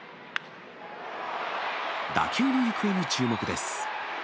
打球の行方に注目です。